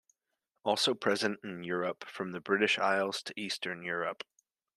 Also present in Europe from the British Isles to Eastern Europe.